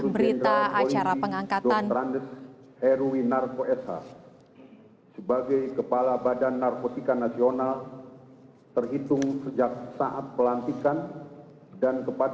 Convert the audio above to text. berita acara pengangkatan